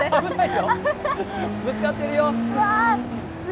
ぶつかってるよ！